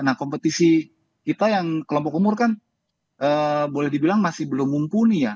nah kompetisi kita yang kelompok umur kan boleh dibilang masih belum mumpuni ya